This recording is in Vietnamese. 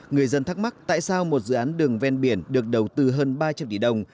người dân thắc mắc tại sao một dự án đường ven biển được đầu tư hơn ba trăm linh tỷ đồng